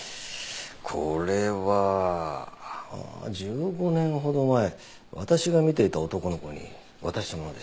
これは１５年ほど前私が診ていた男の子に渡したものです。